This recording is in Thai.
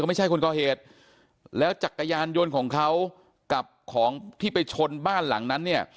ไม่ใช่คนก่อเหตุแล้วจักรยานยนต์ของเขากับของที่ไปชนบ้านหลังนั้นเนี่ย